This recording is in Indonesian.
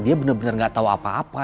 dia bener bener gak tau apa apa